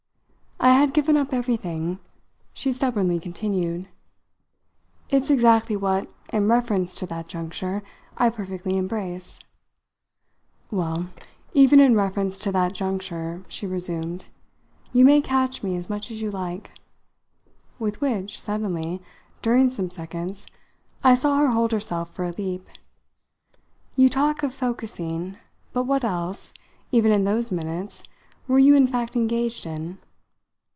"I had given up everything," she stubbornly continued. "It's exactly what, in reference to that juncture, I perfectly embrace." "Well, even in reference to that juncture," she resumed, "you may catch me as much as you like." With which, suddenly, during some seconds, I saw her hold herself for a leap. "You talk of 'focussing,' but what else, even in those minutes, were you in fact engaged in?"